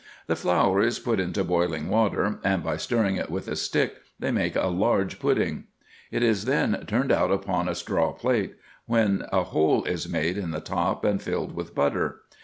The flour is put into boiling water, and by stirring it with a stick they make a large pudding. It is then turned out upon a straw plate, when a hole is made in the top and filled with butter.